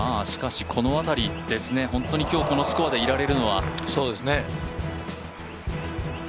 しかしこの辺りですね、本当に今日、このスコアでいられるのは。